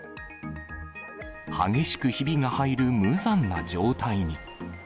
激しくひびが入る無残な状態に。